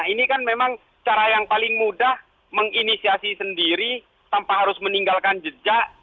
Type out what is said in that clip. ini kan memang cara yang paling mudah menginisiasi sendiri tanpa harus meninggalkan jejak